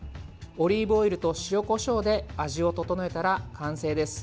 オリーブオイルと塩、こしょうで味を調えたら完成です。